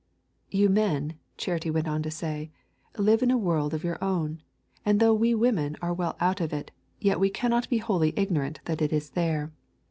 You men, Charity went on to say, live in a world of your own, and though we women are well out of it, yet we cannot be wholly ignorant that it is there.